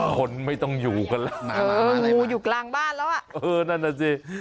คนไม่ต้องอยู่กันแล้วงูอยู่กลางบ้านแล้ว